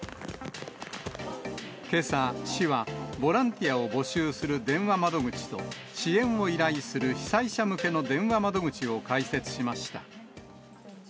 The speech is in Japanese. けさ、市はボランティアを募集する電話窓口と、支援を依頼する被災者向けの電話窓口を開設しました。